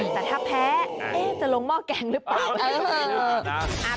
แต่ถ้าแพ้จะลงหม้อแกงหรือเปล่า